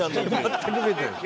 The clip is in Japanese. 全く見えてない。